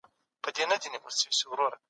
سياستپوهنه د ټولنيزو ځواکونو د ګټو ساتونکې ده.